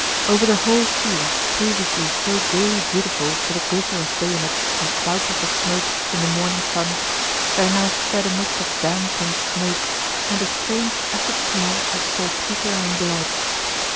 Over the whole field, previously so gaily beautiful with the glitter of bayonets and cloudlets of smoke in the morning sun, there now spread a mist of damp and smoke and a strange acid smell of saltpeter and blood.